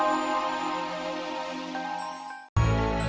tidak ada apa apa